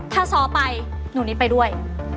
ถ้าซ้อไปหนูนิดไปด้วย